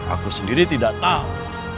aku sendiri tidak tahu